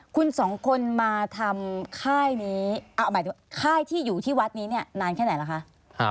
คุณสองคนมาทำค่ายนี้เอาหมายถึงค่ายที่อยู่ที่วัดนี้เนี่ยนานแค่ไหนล่ะคะ